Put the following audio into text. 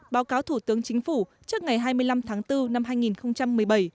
báo cáo thủ tướng chính phủ trước ngày hai mươi năm tháng bốn năm hai nghìn một mươi bảy